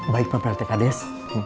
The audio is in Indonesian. baik pak peltekades